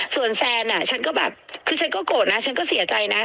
ส่วนแซนฉันก็แบบคือฉันก็โกรธนะฉันก็เสียใจนะ